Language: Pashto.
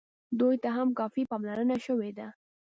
دوی ته هم کافي پاملرنه شوې ده.